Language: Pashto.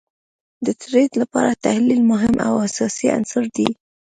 د ټریډ لپاره تحلیل مهم او اساسی عنصر دي